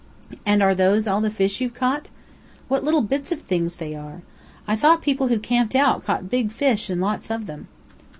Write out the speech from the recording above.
And are those all the fish you've caught? What little bits of things they are! I thought people who camped out caught big fish and lots of them?"